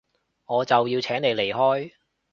我就要請你離開